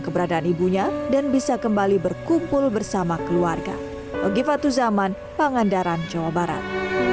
keberadaan ibunya dan bisa kembali berkumpul bersama keluarga ogifat uzaman pangandaran jawa barat